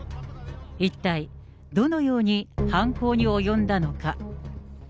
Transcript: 一体どのように犯行に及んだのか。